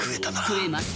食えます。